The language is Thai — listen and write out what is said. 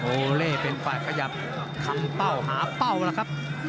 โอเล่เป็นฝ่ายขยับทำเป้าหาเป้าแล้วครับ